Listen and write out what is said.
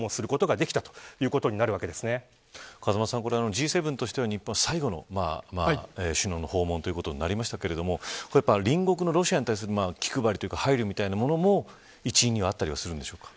Ｇ７として日本は最後の首脳の訪問ということになりましたが隣国のロシアに対する気配りや配慮も一因にはあったりするんですか。